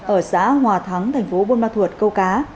ở xã hòa thắng thành phố buôn ma thuột câu cá